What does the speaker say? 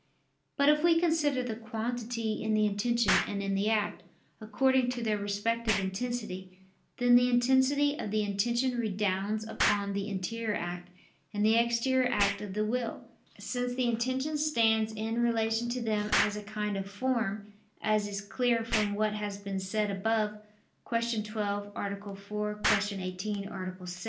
But if we consider the quantity in the intention and in the act, according to their respective intensity, then the intensity of the intention redounds upon the interior act and the exterior act of the will: since the intention stands in relation to them as a kind of form, as is clear from what has been said above (Q. 12, A. 4; Q. 18, A. 6).